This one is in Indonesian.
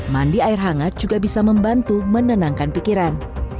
mandi air hangat juga bisa membantu menenangkan pikiran